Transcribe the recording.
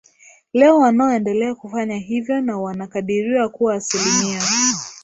Leo wanaoendelea kufanya hivyo na wanakadiriwa kuwa asilimia